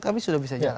kami sudah bisa jalan